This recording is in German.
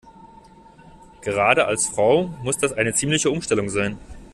Gerade als Frau muss das eine ziemliche Umstellung sein.